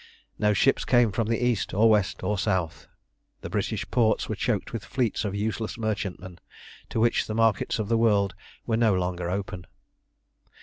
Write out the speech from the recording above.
No ships came from the East, or West, or South. The British ports were choked with fleets of useless merchantmen, to which the markets of the world were no longer open.